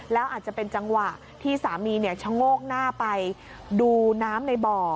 แล้วอาจจะเป็นจังหวะที่สามีชะโงกหน้าไปดูน้ำในบ่อ